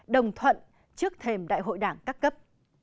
đồng thuận trước thềm đại hội đảng các cấp